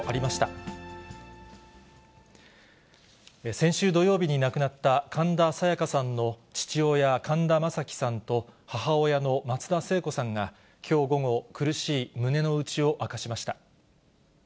先週土曜日に亡くなった神田沙也加さんの父親、神田正輝さんと母親の松田聖子さんが、きょう午後、苦しい胸の内を明かしました。